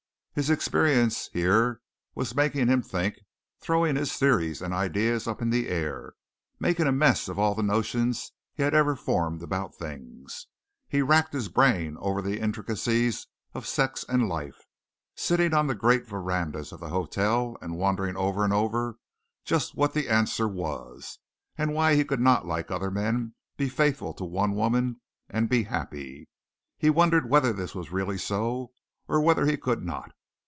His experience here was making him think, throwing his theories and ideas up in the air, making a mess of all the notions he had ever formed about things. He racked his brain over the intricacies of sex and life, sitting on the great verandas of the hotel and wondering over and over just what the answer was, and why he could not like other men be faithful to one woman and be happy. He wondered whether this was really so, and whether he could not.